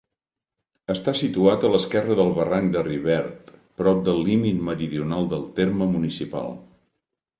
Està situat a l'esquerra del barranc de Rivert, prop del límit meridional del terme municipal.